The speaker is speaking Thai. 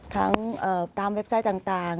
ตามเว็บไซต์ต่าง